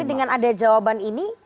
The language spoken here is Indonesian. dengan ada jawaban ini